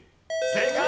正解！